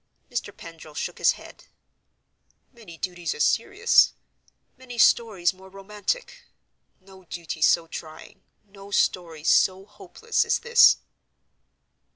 Mr. Pendril shook his head. "Many duties as serious; many stories more romantic. No duty so trying, no story so hopeless, as this."